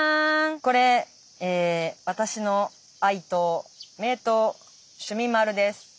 これ私の愛刀名刀「趣味丸」です。